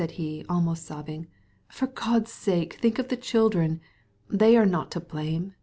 he said, sobbing now; "for mercy's sake, think of the children; they are not to blame!